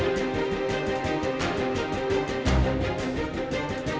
aku mengawal ada yang mengantuk dan sudah kan